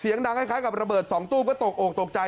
เสียงดังคล้ายกับระเบิดสองตู้ก็ตกโอกตกใจ